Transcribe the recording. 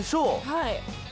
はい。